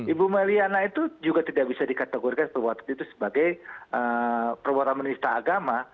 ibu meliana itu juga tidak bisa dikategorikan sebagai perbuatan menista agama